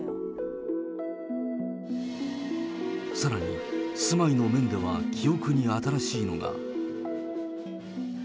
さらに、住まいの面では記憶に新しいのが。